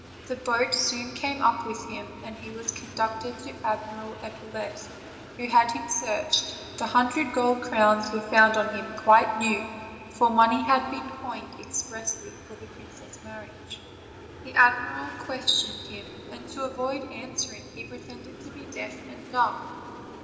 The boat soon came up with him, and he was conducted to Ad miral Epaulette, who had him searched; the hundred ^old crowns were found on him quite new, for money had been coined expressly for the princess' wedding. The admiral questioned him, and, to avoid answering, he pretended to be deaf and dumb.